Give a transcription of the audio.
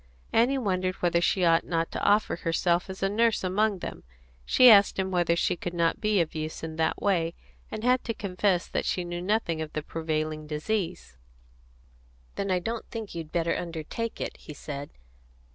Annie wondered whether she ought not to offer herself as a nurse among them; she asked him whether she could not be of use in that way, and had to confess that she knew nothing about the prevailing disease. "Then, I don't think you'd better undertake it," he said.